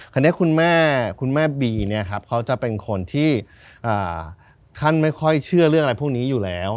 คุณแม่คุณแม่บีเนี่ยครับเขาจะเป็นคนที่ท่านไม่ค่อยเชื่อเรื่องอะไรพวกนี้อยู่แล้ว